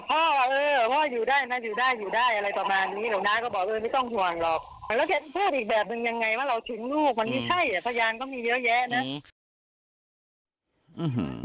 แล้วพูดอีกแบบนึงยังไงว่าเราทิ้งลูกมันมีไข้พยานก็มีเยอะแยะนะ